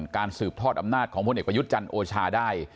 การสืบทอดอำนาจของพลเอกประยุทธ์จันทร์โอชาได้